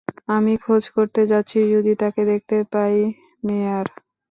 আমি খোঁজ করতে যাচ্ছি যদি তাকে দেখতে পাই মেয়ার!